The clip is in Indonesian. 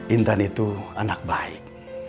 intan itu anak baik